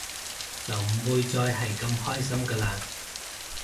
就唔會再係咁開心㗎喇